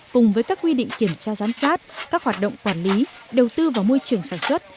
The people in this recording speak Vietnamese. cùng với các quy định kiểm tra giám sát các hoạt động quản lý đầu tư vào môi trường sản xuất